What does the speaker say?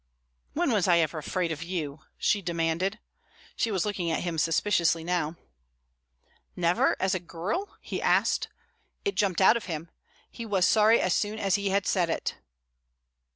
"When was I ever afraid of you?" she demanded. She was looking at him suspiciously now. "Never as a girl?" he asked. It jumped out of him. He was sorry as soon as he had said it.